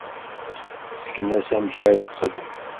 Sken-as amek ara texdem.